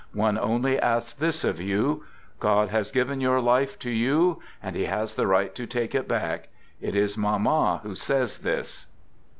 One only asks this of you. God has ; given your life to you; he has the right to take it ! back. It is Mamma who says this.